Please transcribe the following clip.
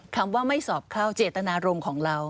คำว่าไม่สอบเข้าเจตนารมณ์ของเรา